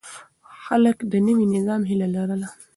خلک د نوي نظام هيله لرله.